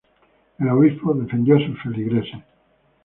El obispo defendió a sus feligreses.